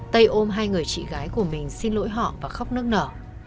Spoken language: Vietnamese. tây ôm hai người chị gái của mình xin lỗi họ và khóc nớc nở